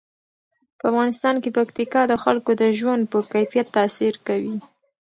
په افغانستان کې پکتیکا د خلکو د ژوند په کیفیت تاثیر کوي.